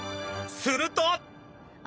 すると！